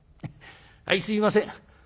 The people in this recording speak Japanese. あいすいません。